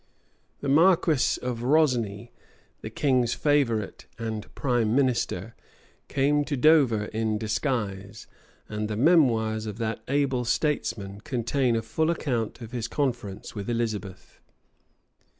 The marquis of Rosni the king's favorite and prime minister, came to Dover in disguise; and the memoirs of that able statesman contain a full account of his conference with Elizabeth.